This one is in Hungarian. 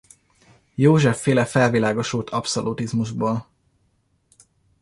József-féle felvilágosult abszolutizmustól.